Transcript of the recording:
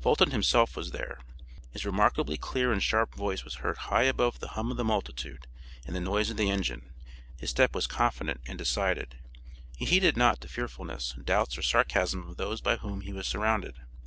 Fulton himself was there. His remarkably clear and sharp voice was heard high above the hum of the multitude and the noise of the engine, his step was confident and decided; he heeded not the fearfulness, doubts or sarcasm of those by whom he was surrounded.